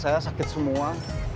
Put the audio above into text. badan saya sakit semua